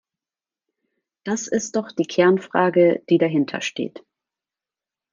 Das ist doch die Kernfrage, die dahintersteht.